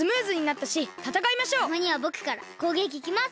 たまにはぼくからこうげきいきます！